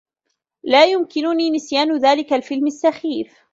لا يمكنني نسيان ذلك الفيلم السّخيف.